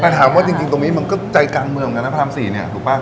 ปัญหาว่าจริงตรงนี้มันก็ใจกลางเมืองกันนะพรรม๔เนี่ยถูกป่ะ